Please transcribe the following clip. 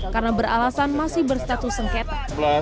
karena beralasan masih berstatus sengketa